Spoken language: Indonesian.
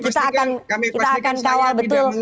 kita akan kawal betul